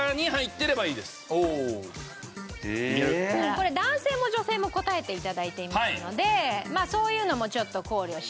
これ男性も女性も答えて頂いていますのでそういうのもちょっと考慮して。